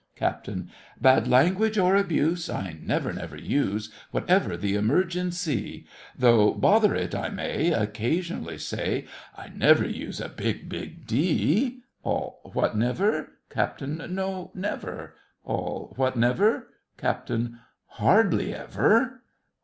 CAPT. Bad language or abuse, I never, never use, Whatever the emergency; Though "Bother it" I may Occasionally say, I never use a big, big D— ALL. What, never? CAPT. No, never! ALL. What, never? CAPT. Hardly ever!